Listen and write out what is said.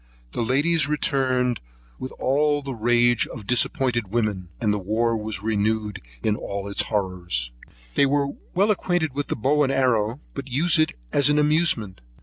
The ladies returned with all the rage of disappointed women, and the war was renewed with all its horrors. They are well acquainted with the bow and arrow, but use it as an amusement.